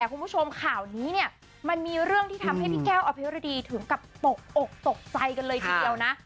คุณผู้ชมข่าวนี้เนี่ยมันมีเรื่องที่ทำให้พี่แก้วอภิวดีถึงกับตกอกตกใจกันเลยทีเดียวนะ